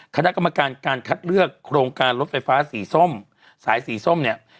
คกการคัดเลือกโครงการรถไฟฟ้าสายสีส้มเนี่ย